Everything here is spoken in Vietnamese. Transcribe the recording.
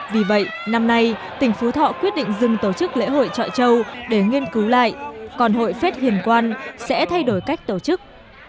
vì vậy năm nay tỉnh phú thọ quyết định dừng tổ chức lễ hội trọi châu để nghiên cứu lại còn hội phết hiền quan sẽ thay đổi cách tổ chức